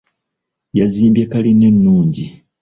Yazimbye kkalina ennungi .